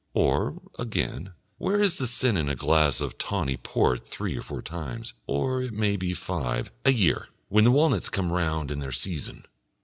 Or, again, where is the sin in a glass of tawny port three or four times, or it may be five, a year, when the walnuts come round in their season?